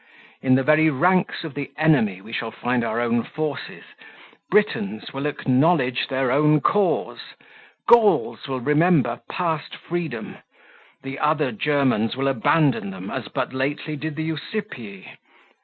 In the very ranks of the enemy we shall find our own forces. Britons will acknowledge their own cause; Gauls will remember past freedom; the other Germans will abandon them, as but lately did the Usipii.